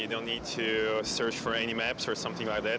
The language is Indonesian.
anda tidak perlu mencari map atau sesuatu seperti itu